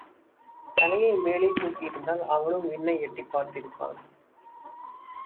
தலையை மேலே தூக்கியிருந்தால் அவனும் விண்ணை எட்டிப்பார்த்திப்பான்.